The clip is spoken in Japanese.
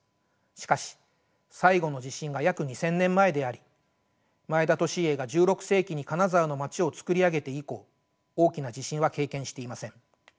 しかし最後の地震が約２，０００年前であり前田利家が１６世紀に金沢の街をつくり上げて以降大きな地震は経験していません。